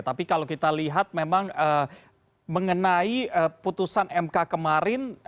tapi kalau kita lihat memang mengenai putusan mk kemarin